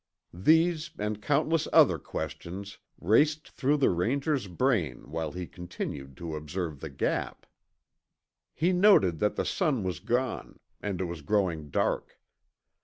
These, and countless other questions, raced through the Ranger's brain while he continued to observe the Gap. He noted that the sun was gone, and it was growing dark.